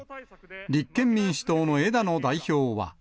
立憲民主党の枝野代表は。